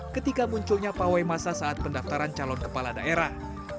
ketika munculnya pawai masa saat pendaftaran calon kepala daerah